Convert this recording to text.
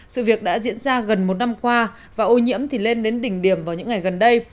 sự việc đã diễn ra gần một năm qua và ô nhiễm thì lên đến đỉnh điểm vào những ngày gần đây